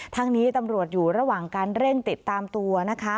ทางนี้ตำรวจอยู่ระหว่างการเร่งติดตามตัวนะคะ